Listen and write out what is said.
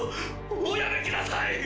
おやめください！